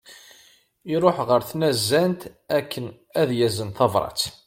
Iruḥ ɣer tnazzant akken ad yazen tabrat.